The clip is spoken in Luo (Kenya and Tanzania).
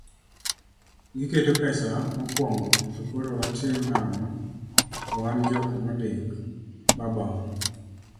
giketo pesa mokuongo to koro watim nang'o to wan jok mondik, baba wa